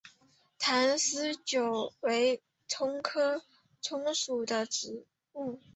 坛丝韭为葱科葱属的植物。